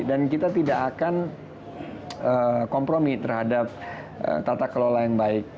kita tidak akan kompromi terhadap tata kelola yang baik